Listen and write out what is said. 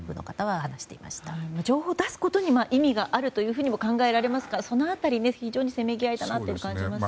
情報を出すことに意味があるというふうにも考えられますから、その辺り非常にせめぎ合いだなと感じますよね。